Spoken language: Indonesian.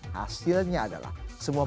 hasilnya adalah semua